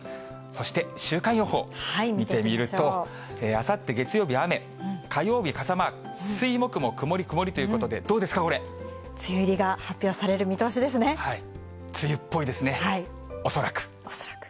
そして、週間予報見てみると、あさって月曜日、雨、火曜日傘マーク、水、木も曇り、曇りということで、どうですか、梅雨入りが発表される見通し梅雨っぽいですね、恐らく。